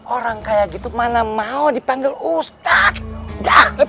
orang kayak gitu mana mau dipanggil ustadz